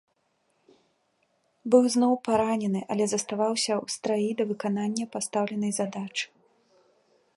Быў зноў паранены, але заставаўся ў страі да выканання пастаўленай задачы.